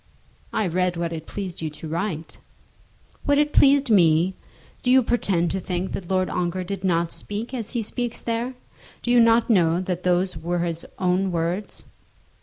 "I read what it pleased you to write." "What it pleased me! Do you pretend to think that Lord Ongar did not speak as he speaks there? Do you not know that those were his own words?